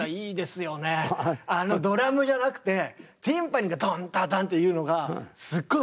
あのドラムじゃなくてティンパニーがドンドドンっていうのがすっごい